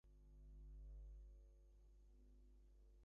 Upon receiving the news, Henry was furious.